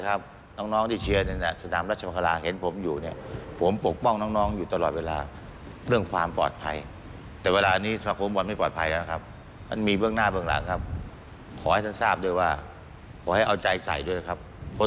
คนที่ดีหายหมดครับ